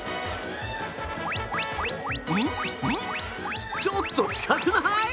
んっ、んっちょっと近くない？